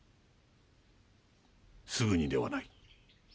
すぐにではない。